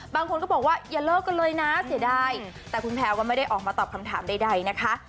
บางคนก็บอกว่าอย่าเลิกกันเลยนะเสียดายแต่คุณแพลวก็ไม่ได้ออกมาตอบคำถามใดนะคะ